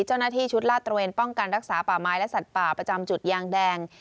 เจ้าหน้าที่ชุดลาดตระเวนป้องกันรักษาป่าไม้และสัตว์ป่าประจำจุดยางแดง